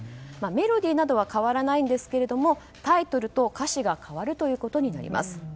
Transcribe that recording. メロディーなどは変わらないんですけれどもタイトルと歌詞が変わるということになります。